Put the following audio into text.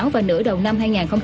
và nửa đầu năm hai nghìn một mươi bảy